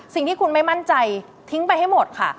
สิ่งที่คุณไม่มั่นใจทิ้งไปให้หมดค่ะ